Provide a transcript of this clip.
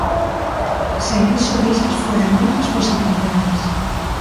Sen iso deixas fóra moitas posibilidades.